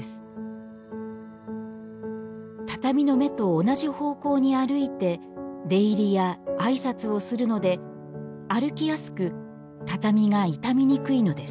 畳の目と同じ方向に歩いて出入りや挨拶をするので歩きやすく畳が傷みにくいのです